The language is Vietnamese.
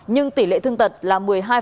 nhưng tỷ lệ thương tật là một mươi hai